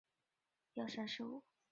狗只并没有皮肤排汗机制。